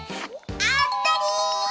あったり！